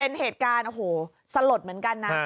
เป็นเหตุการณ์โอ้โหสลดเหมือนกันนะ